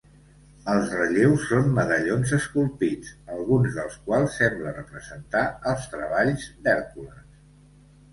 Els relleus són medallons esculpits, algun dels quals sembla representar els treballs d'Hèrcules.